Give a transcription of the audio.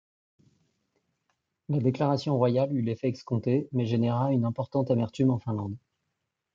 La déclaration royale eut l'effet escompté mais généra une importante amertume en Finlande.